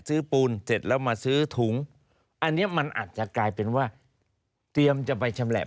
ปูนเสร็จแล้วมาซื้อถุงอันนี้มันอาจจะกลายเป็นว่าเตรียมจะไปชำแหละ